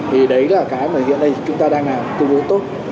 thì đấy là cái mà hiện nay chúng ta đang làm tương đối tốt